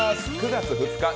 ９月２日